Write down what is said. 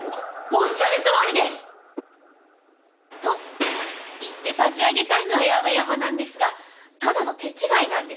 おっしゃるとおりです！と言って差し上げたいのはやまやまなんですがただの手違いなんです。